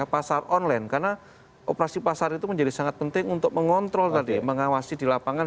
pasar online karena operasi pasar itu menjadi sangat penting untuk mengontrol tadi mengawasi di lapangan